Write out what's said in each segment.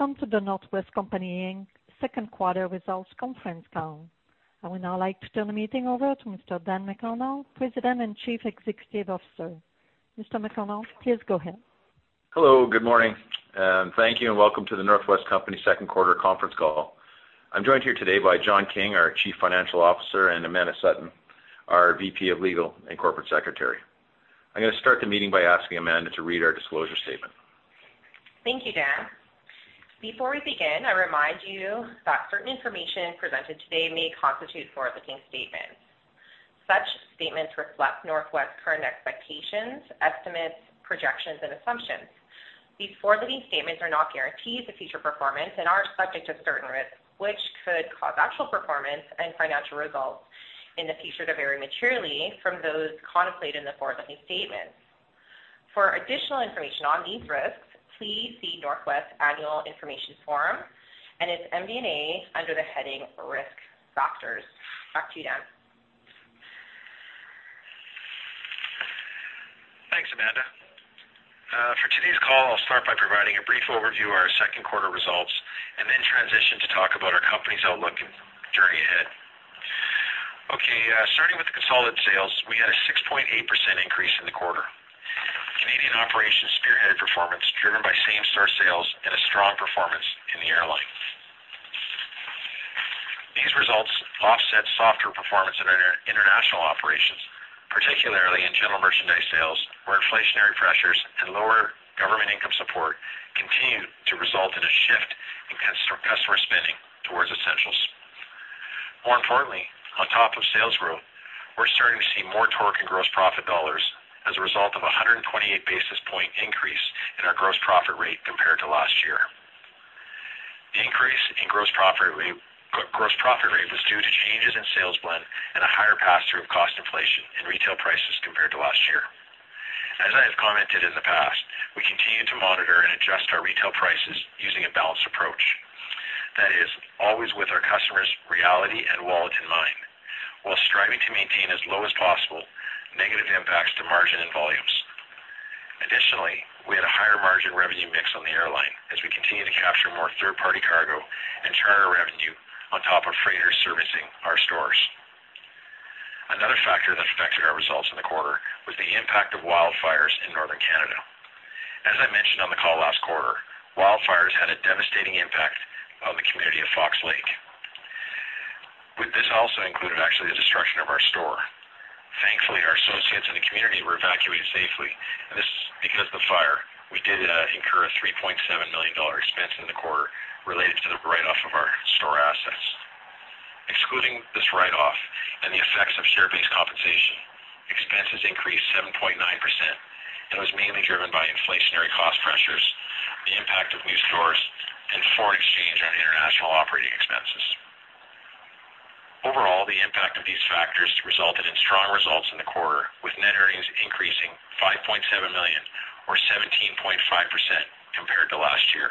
Welcome to The North West Company Inc. second quarter results conference call. I would now like to turn the meeting over to Mr. Dan McConnell, President and Chief Executive Officer. Mr. McConnell, please go ahead. Hello, good morning, and thank you, and welcome to The North West Company second quarter conference call. I'm joined here today by John King, our Chief Financial Officer, and Amanda Sutton, our VP of Legal and Corporate Secretary. I'm going to start the meeting by asking Amanda to read our disclosure statement. Thank you, Dan. Before we begin, I remind you that certain information presented today may constitute forward-looking statements. Such statements reflect North West's current expectations, estimates, projections, and assumptions. These forward-looking statements are not guarantees of future performance and are subject to certain risks, which could cause actual performance and financial results in the future to vary materially from those contemplated in the forward-looking statements. For additional information on these risks, please see North West's Annual Information Form and its MD&A under the heading Risk Factors. Back to you, Dan. Thanks, Amanda. For today's call, I'll start by providing a brief overview of our second quarter results and then transition to talk about our company's outlook and journey ahead. Okay, starting with the consolidated sales, we had a 6.8% increase in the quarter. Canadian operations spearheaded performance, driven by same-store sales and a strong performance in the airline. These results offset softer performance in our international operations, particularly in general merchandise sales, where inflationary pressures and lower government income support continued to result in a shift in customer spending towards essentials. More importantly, on top of sales growth, we're starting to see more torque in gross profit dollars as a result of a 128 basis point increase in our gross profit rate compared to last year. The increase in gross profit rate was due to changes in sales blend and a higher pass-through of cost inflation in retail prices compared to last year. As I have commented in the past, we continue to monitor and adjust our retail prices using a balanced approach. That is, always with our customers' reality and wallet in mind, while striving to maintain as low as possible negative impacts to margin and volumes. Additionally, we had a higher margin revenue mix on the airline as we continue to capture more third-party cargo and charter revenue on top of freighter servicing our stores. Another factor that affected our results in the quarter was the impact of wildfires in northern Canada. As I mentioned on the call last quarter, wildfires had a devastating impact on the community of Fox Lake. With this also included, actually, the destruction of our store. Thankfully, our associates in the community were evacuated safely, and this, because the fire, we did incur a 3.7 million dollar expense in the quarter related to the write-off of our store assets. Excluding this write-off and the effects of share-based compensation, expenses increased 7.9% and was mainly driven by inflationary cost pressures, the impact of new stores, and foreign exchange on international operating expenses. Overall, the impact of these factors resulted in strong results in the quarter, with net earnings increasing 5.7 million or 17.5% compared to last year.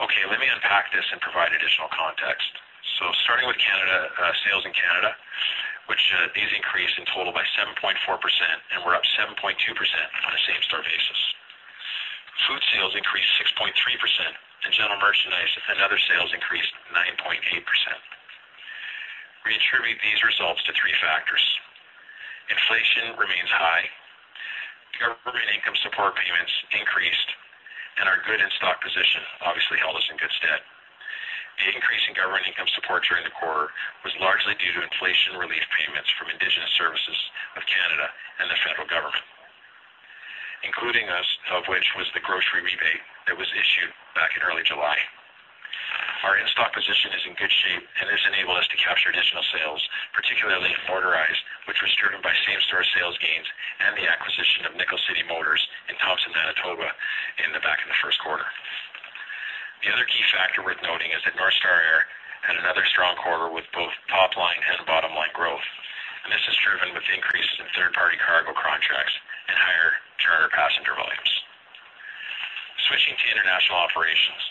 Okay, let me unpack this and provide additional context. So starting with Canada, sales in Canada, which, these increased in total by 7.4%, and we're up 7.2% on a same-store basis. Food sales increased 6.3%, and general merchandise and other sales increased 9.8%. We attribute these results to three factors: inflation remains high, government income support payments increased, and our good in-stock position obviously held us in good stead. The increase in government income support during the quarter was largely due to inflation relief payments from Indigenous Services Canada and the federal government, including us, of which was the grocery rebate that was issued back in early July. Our in-stock position is in good shape, and this enabled us to capture additional sales, particularly in Motorized, which was driven by same-store sales gains and the acquisition of Nickel City Motors in Thompson, Manitoba, in the back in the first quarter. The other key factor worth noting is that North Star Air had another strong quarter with both top-line and bottom-line growth, and this is driven with increases in third-party cargo contracts and higher charter passenger volumes. Switching to international operations,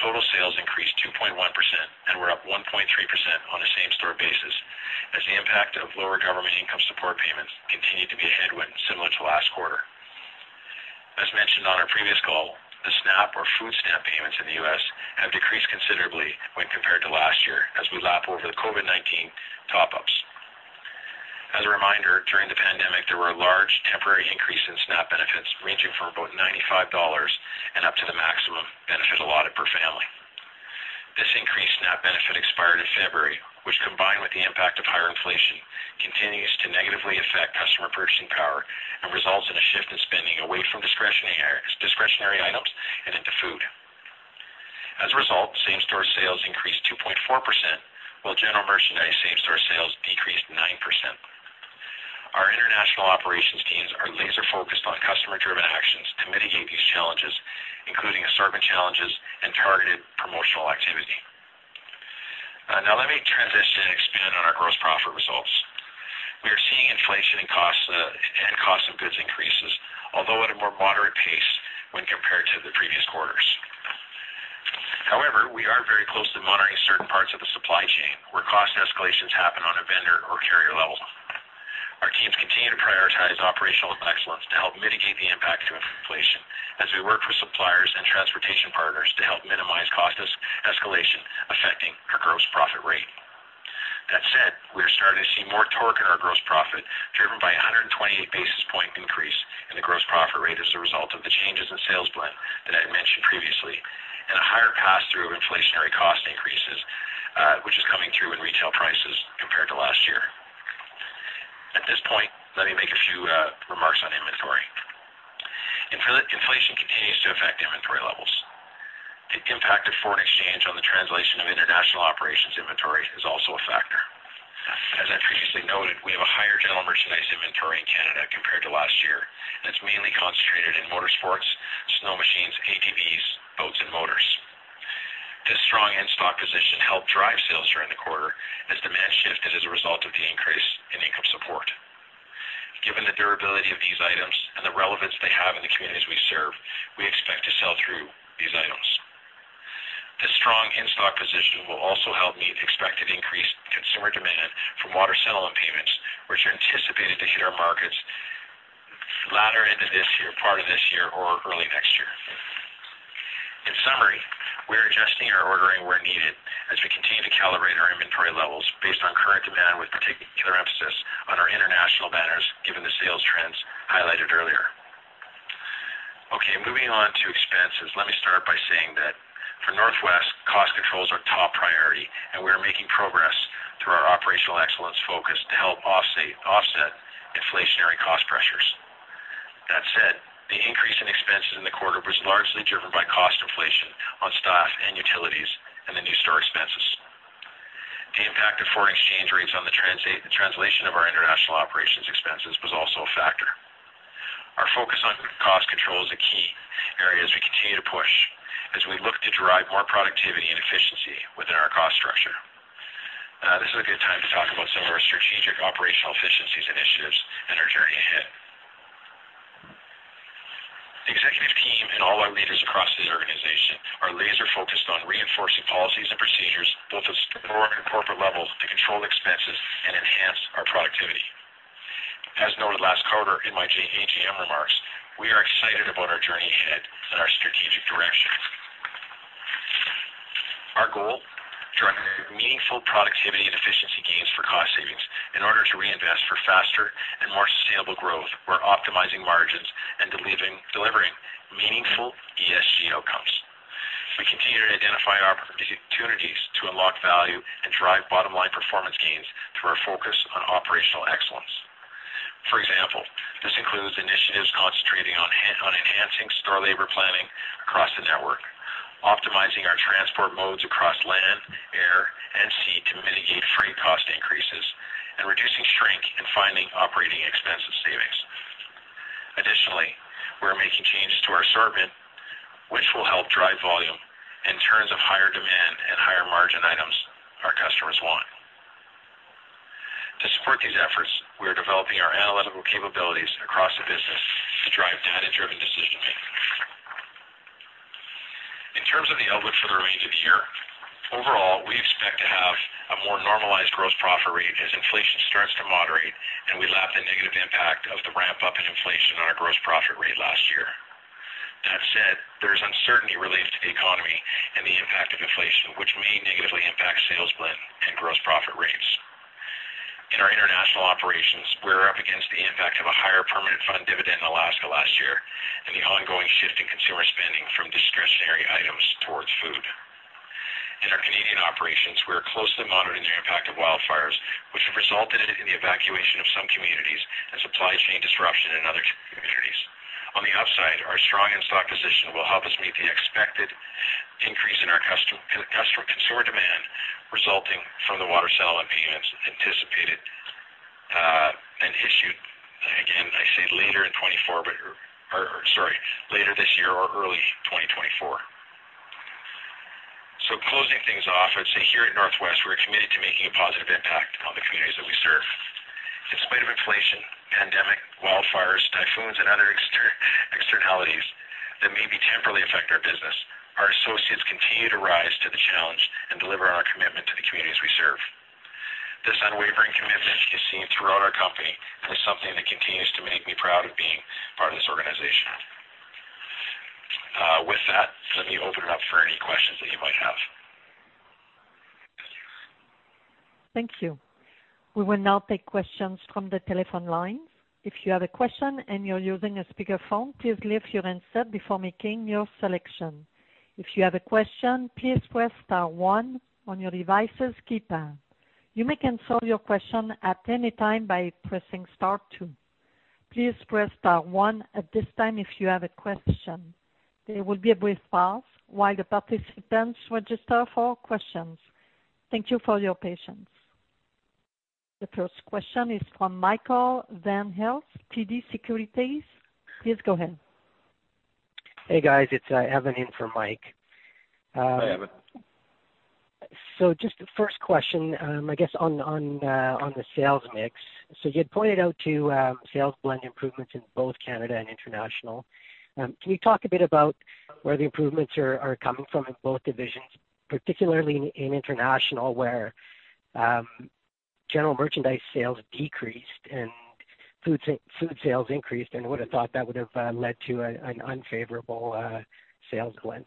total sales increased 2.1%, and we're up 1.3% on a same-store basis, as the impact of lower government income support payments continued to be a headwind similar to last quarter. As mentioned on our previous call, the SNAP or Food Stamp Payments in the U.S. have decreased considerably when compared to last year as we lap over the COVID-19 top-ups. As a reminder, during the pandemic, there were a large temporary increase in SNAP benefits, ranging from about $95 and up to the maximum benefits allotted per family. This increased SNAP benefit expired in February, which, combined with the impact of higher inflation, continues to negatively affect customer purchasing power and results in a shift in spending away from discretionary, discretionary items and into food. As a result, same-store sales increased 2.4%, while general merchandise same-store sales decreased 9%. Our international operations teams are laser-focused on customer-driven actions to mitigate these challenges, including assortment challenges and targeted promotional activity. Now let me transition and expand on our gross profit results. We are seeing inflation and costs and cost of goods increases, although at a more moderate pace when compared to the previous quarters. However, we are very close to monitoring certain parts of the supply chain, where cost escalations happen on a vendor or carrier level. Our teams continue to prioritize operational excellence to help mitigate the impact of inflation as we work with suppliers and transportation partners to help minimize cost escalation affecting our gross profit rate. That said, we are starting to see more torque in our gross profit, driven by a 128 basis point increase in the gross profit rate as a result of the changes in sales blend that I mentioned previously, and a higher pass-through of inflationary cost increases, which is coming through in retail prices compared to last year. At this point, let me make a few remarks on inventory. Inflation continues to affect inventory levels. The impact of foreign exchange on the translation of international operations inventory is also a factor. As I previously noted, we have a higher general merchandise inventory in Canada compared to last year, and it's mainly concentrated in motorsports, snow machines, ATVs, boats, and motors. This strong in-stock position helped drive sales during the quarter as demand shifted as a result of the increase in income support. Given the durability of these items and the relevance they have in the communities we serve, we expect to sell through these items. This strong in-stock position will also help meet expected increased consumer demand from Water Settlement Payments, which are anticipated to hit our markets later into this year, part of this year or early next year. In summary, we are adjusting our ordering where needed as we continue to calibrate our inventory levels based on current demand, with particular emphasis on our international banners, given the sales trends highlighted earlier. Okay, moving on to expenses. Let me start by saying that for North West, cost control is our top priority, and we are making progress through our operational excellence focus to help offset inflationary cost pressures. That said, the increase in expenses in the quarter was largely driven by cost inflation on staff and utilities, and the new store expenses. The impact of foreign exchange rates on the translation of our international operations expenses was also a factor. Our focus on cost control is a key area as we continue to push as we look to drive more productivity and efficiency within our cost structure. This is a good time to talk about some of our strategic operational efficiencies initiatives and our journey ahead. The executive team and all our leaders across this organization are laser-focused on reinforcing policies and procedures, both at store and corporate levels, to control expenses and enhance our productivity. As noted last quarter in my Q1 AGM remarks, we are excited about our journey ahead and our strategic direction. Our goal, drive meaningful productivity and efficiency gains for cost savings in order to reinvest for faster and more sustainable growth. We're optimizing margins and delivering, delivering meaningful ESG outcomes. We continue to identify opportunities to unlock value and drive bottom-line performance gains through our focus on operational excellence. For example, this includes initiatives concentrating on enhancing store labor planning across the network, optimizing our transport modes across land, air, and sea to mitigate freight cost increases, and reducing shrink and finding operating expense savings. Additionally, we're making changes to our assortment, which will help drive volume in terms of higher demand and higher-margin items our customers want. To support these efforts, we are developing our analytical capabilities across the business to drive data-driven decision-making. In terms of the outlook for the remainder of the year, overall, we expect to have a more normalized gross profit rate as inflation starts to moderate and we lap the negative impact of the ramp-up in inflation on our gross profit rate last year. That said, there is uncertainty related to the economy and the impact of inflation, which may negatively impact sales blend and gross profit rates. In our international operations, we're up against the impact of a higher Permanent Fund Dividend in Alaska last year and the ongoing shift in consumer spending from discretionary items towards food. In our Canadian operations, we are closely monitoring the impact of wildfires, which have resulted in the evacuation of some communities and supply chain disruption in other communities. On the upside, our strong in-stock position will help us meet the expected increase in our consumer demand resulting from the water settlement payments anticipated and issued, again, I say later this year or early 2024. So closing things off, I'd say here at North West, we're committed to making a positive impact on the communities that we serve. In spite of inflation, pandemic, wildfires, typhoons, and other externalities that may temporarily affect our business, our associates continue to rise to the challenge and deliver on our commitment to the communities we serve. This unwavering commitment is seen throughout our company and is something that continues to make me proud of being part of this organization. With that, let me open it up for any questions that you might have. Thank you. We will now take questions from the telephone lines. If you have a question and you're using a speakerphone, please mute your answer before making your selection. If you have a question, please press star one on your device's keypad. You may cancel your question at any time by pressing star two. Please press star one at this time if you have a question. There will be a brief pause while the participants register for questions. Thank you for your patience. The first question is from Michael Van Aelst, TD Securities. Please go ahead. Hey, guys, it's Evan in for Mike. Hi, Evan. So just the first question, I guess on the sales mix. So you had pointed out to sales blend improvements in both Canada and international. Can you talk a bit about where the improvements are coming from in both divisions?... particularly in international, where general merchandise sales decreased and food sales increased, and I would have thought that would have led to an unfavorable sales blend.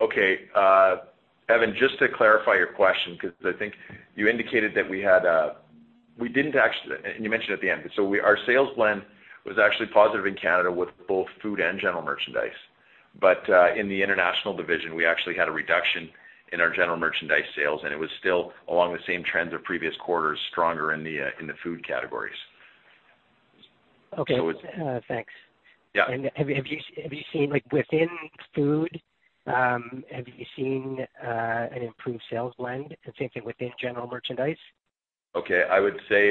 Okay. Evan, just to clarify your question, because I think you indicated that we had, we didn't actually—and you mentioned at the end. So we, our sales blend was actually positive in Canada with both food and general merchandise. But, in the international division, we actually had a reduction in our general merchandise sales, and it was still along the same trends of previous quarters, stronger in the, in the food categories. Okay. So it's- Uh, thanks. Yeah. Have you seen, like, within food, an improved sales blend, the same thing within general merchandise? Okay, I would say,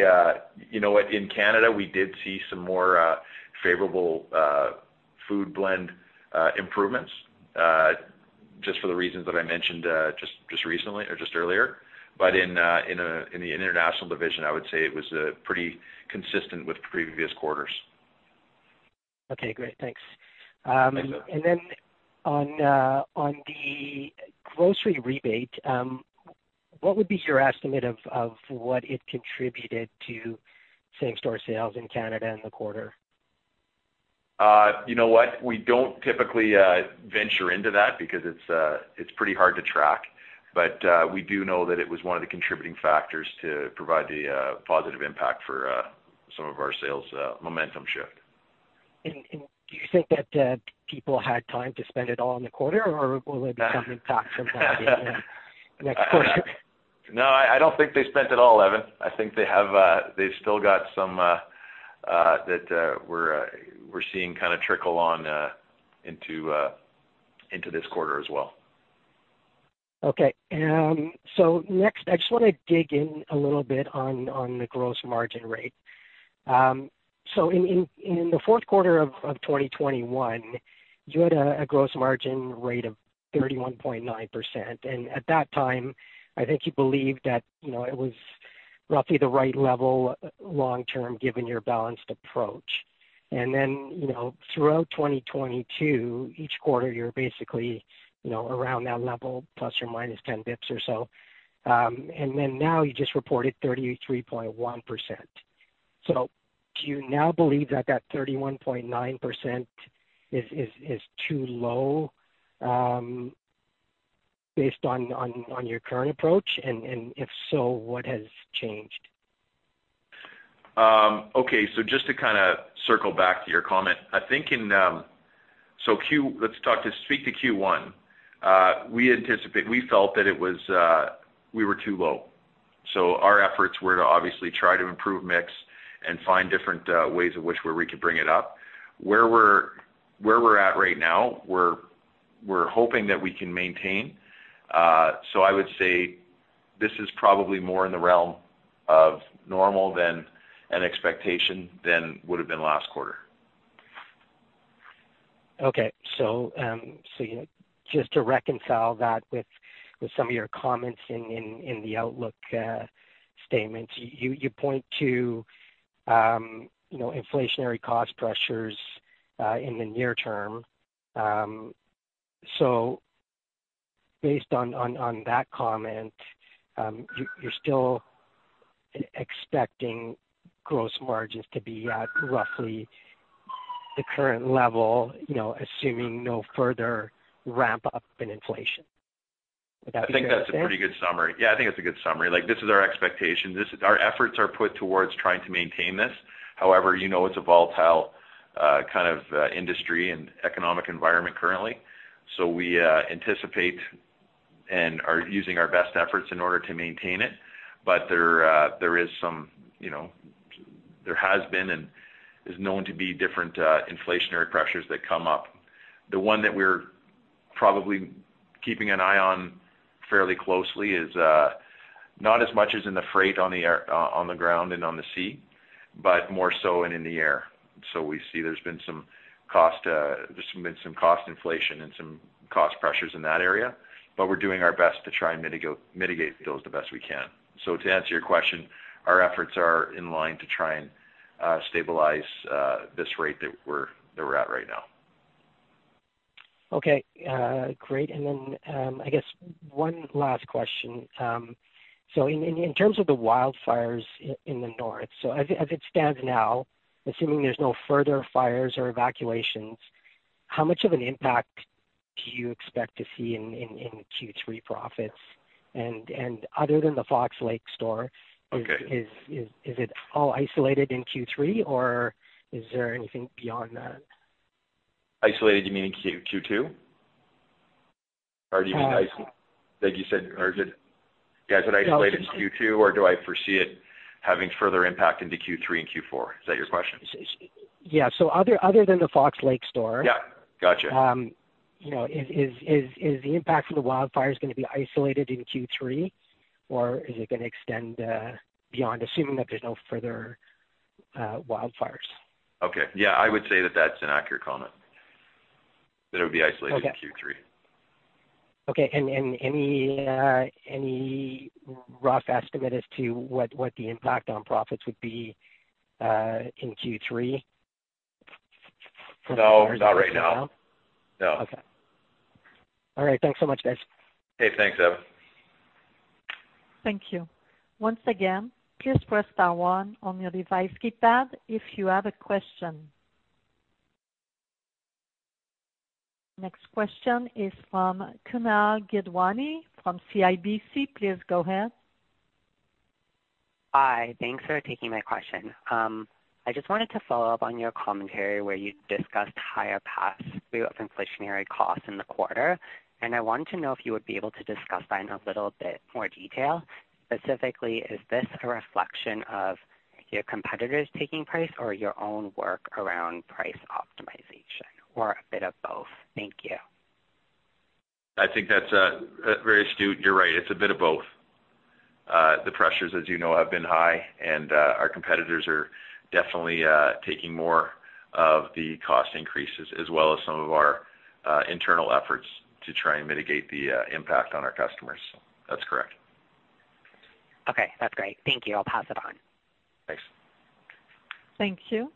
you know what? In Canada, we did see some more favorable food blend improvements just for the reasons that I mentioned just recently or just earlier. But in the international division, I would say it was pretty consistent with previous quarters. Okay, great. Thanks. And then on the grocery rebate, what would be your estimate of what it contributed to same-store sales in Canada in the quarter? You know what? We don't typically venture into that because it's pretty hard to track. But we do know that it was one of the contributing factors to provide the positive impact for some of our sales momentum shift. Do you think that people had time to spend it all in the quarter, or will there be something back from that in the next quarter? No, I don't think they spent it all, Evan. I think they've still got some that we're seeing kind of trickle on into this quarter as well. Okay. So next, I just want to dig in a little bit on the gross margin rate. So in the fourth quarter of 2021, you had a gross margin rate of 31.9%, and at that time, I think you believed that, you know, it was roughly the right level long term, given your balanced approach. And then, you know, throughout 2022, each quarter, you're basically, you know, around that level, plus or minus ten basis points or so. And then now you just reported 33.1%. So do you now believe that 31.9% is too low, based on your current approach? And if so, what has changed? Okay, so just to kind of circle back to your comment, I think in. So let's talk to, speak to Q1. We anticipate we felt that it was, we were too low. So our efforts were to obviously try to improve mix and find different ways in which where we could bring it up. Where we're, where we're at right now, we're, we're hoping that we can maintain. So I would say this is probably more in the realm of normal than an expectation than would have been last quarter. Okay. So, yeah, just to reconcile that with some of your comments in the outlook statement, you point to, you know, inflationary cost pressures in the near term. So based on that comment, you're still expecting gross margins to be at roughly the current level, you know, assuming no further ramp up in inflation? Would that be fair to say? I think that's a pretty good summary. Yeah, I think it's a good summary. Like, this is our expectation. This, our efforts are put towards trying to maintain this. However, you know, it's a volatile, kind of, industry and economic environment currently. So we anticipate and are using our best efforts in order to maintain it. But there, there is some, you know, there has been and is known to be different, inflationary pressures that come up. The one that we're probably keeping an eye on fairly closely is, not as much as in the freight on the air, on the ground and on the sea, but more so and in the air. So we see there's been some cost, there's been some cost inflation and some cost pressures in that area, but we're doing our best to try and mitigate those the best we can. So to answer your question, our efforts are in line to try and stabilize this rate that we're at right now. Okay, great. And then, I guess one last question. So in terms of the wildfires in the north, so as it stands now, assuming there's no further fires or evacuations, how much of an impact do you expect to see in Q3 profits? And other than the Fox Lake store- Okay. Is it all isolated in Q3, or is there anything beyond that? Isolated, you mean in Q2? Or do you mean iso- Uh. Like you said, or is it... Yeah, is it isolated in Q2, or do I foresee it having further impact into Q3 and Q4? Is that your question? Yeah. So, other than the Fox Lake store- Yeah, gotcha. You know, is the impact from the wildfires going to be isolated in Q3, or is it going to extend beyond, assuming that there's no further wildfires? Okay. Yeah, I would say that that's an accurate comment, that it would be isolated- Okay. -in Q3. Okay. And any rough estimate as to what the impact on profits would be in Q3? No, not right now. No. Okay. All right. Thanks so much, guys. Okay. Thanks, Evan. Thank you. Once again, please press star one on your device keypad if you have a question. Next question is from Kunaal Gidwani, from CIBC. Please go ahead. Hi. Thanks for taking my question. I just wanted to follow up on your commentary where you discussed higher pass-throughs of inflationary costs in the quarter, and I wanted to know if you would be able to discuss that in a little bit more detail. Specifically, is this a reflection of your competitors taking price or your own work around price optimization, or a bit of both? Thank you. I think that's very astute. You're right. It's a bit of both. The pressures, as you know, have been high, and our competitors are definitely taking more of the cost increases, as well as some of our internal efforts to try and mitigate the impact on our customers. That's correct. Okay, that's great. Thank you. I'll pass it on. Thanks. Thank you.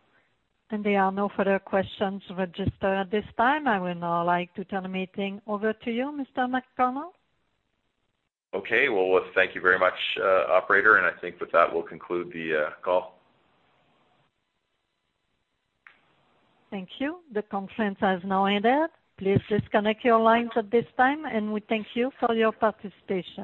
There are no further questions registered at this time. I would now like to turn the meeting over to you, Mr. McConnell. Okay. Well, thank you very much, operator, and I think with that, we'll conclude the call. Thank you. The conference has now ended. Please disconnect your lines at this time, and we thank you for your participation.